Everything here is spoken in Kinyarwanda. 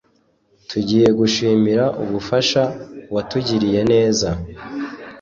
tugiyegushimira ubufasha watugiriye neza